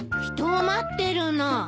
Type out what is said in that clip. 人を待ってるの。